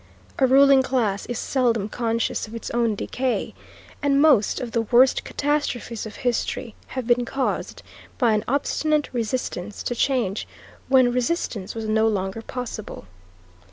A ruling class is seldom conscious of its own decay, and most of the worst catastrophes of history have been caused by an obstinate resistance to change when resistance was no longer possible.